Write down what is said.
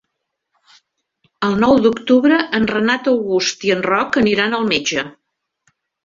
El nou d'octubre en Renat August i en Roc aniran al metge.